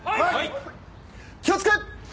気をつけ！